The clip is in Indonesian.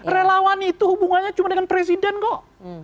relawan itu hubungannya cuma dengan presiden kok